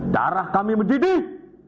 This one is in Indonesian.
darah kami mendidih